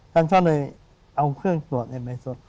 ท่านชอบเลยเอาเครื่องสวดไปสวด